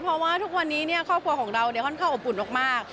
เพราะว่าทุกวันนี้ครอบครัวของเราค่อนข้างอบอุ่นมาก